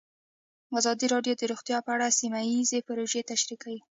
ازادي راډیو د روغتیا په اړه سیمه ییزې پروژې تشریح کړې.